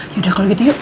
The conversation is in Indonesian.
yaudah kalau gitu yuk